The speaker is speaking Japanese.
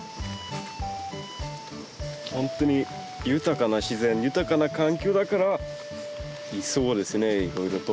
本当に豊かな自然豊かな環境だからいそうですねいろいろと。